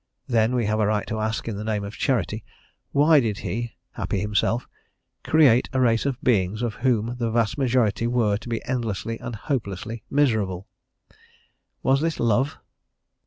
Then, we have a right to ask in the name of charity, why did he, happy himself, create a race of beings of whom the vast majority were to be endlessly and hopelessly miserable? Was this love?